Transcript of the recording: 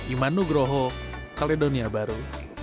iman nugroho kaledonia baru